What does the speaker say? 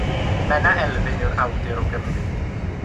Menna Elfyn yw'r awdur o Gymru.